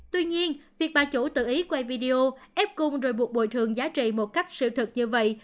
tuy nhiên việc bà chủ tự ý quay video ép cung rồi buộc bồi thường giá trị một cách sự thực như vậy